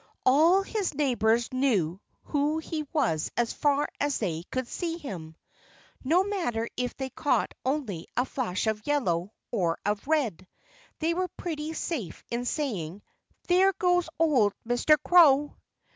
All his neighbors knew who he was as far as they could see him. No matter if they caught only a flash of yellow or of red, they were pretty safe in saying, "There goes old Mr. Crow!"